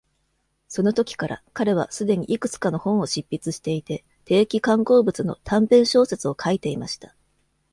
その時から、彼はすでにいくつかの本を執筆していて、定期刊行物の短編小説を書いていました。